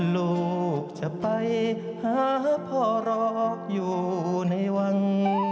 ลูกจะไปหาพ่อรออยู่ในวัง